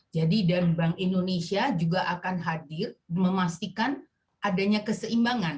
jadi dan bank indonesia juga akan hadir memastikan adanya keseimbangan